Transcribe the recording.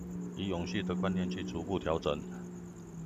以永續的觀念去逐步調整